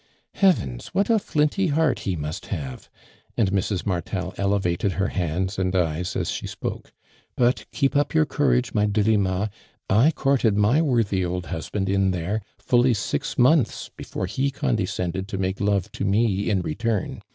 "Heavens ! what a flinty heart he must have !" and ill's. Martel elevated her hands and eyes as she spok«. "But keep up your courage, my Delimal I courted my worthy old husband, in there, fully six months before he condescended to make love to me in return.